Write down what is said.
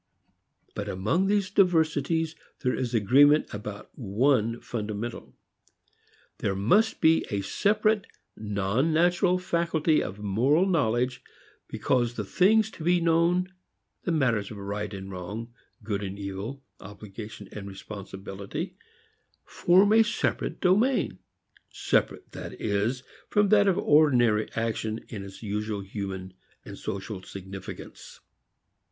But among these diversities there is agreement about one fundamental. There must be a separate non natural faculty of moral knowledge because the things to be known, the matters of right and wrong, good and evil, obligation and responsibility, form a separate domain, separate that is from that of ordinary action in its usual human and social significance.